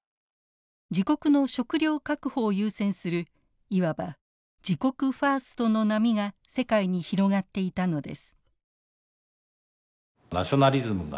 自国の食料確保を優先するいわば自国ファーストの波が世界に広がっていたのです。